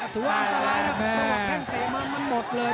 ถือว่าอันตรายนะตั้งแต่มันหมดเลย